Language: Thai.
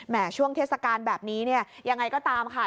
แหม่ช่วงเทศกาลแบบนี้ยังไงก็ตามค่ะ